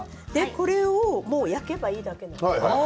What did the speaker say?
これを焼けばいいだけです。